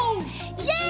イエイ！